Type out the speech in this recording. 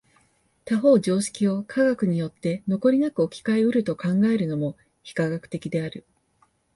他方常識を科学によって残りなく置き換え得ると考えるのも非科学的である。